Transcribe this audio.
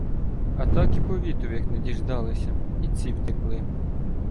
А так і повітових не діждалися, і ці втекли.